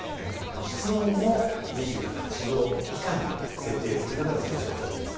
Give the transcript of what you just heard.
室温を２８度以下にすることが推奨されています。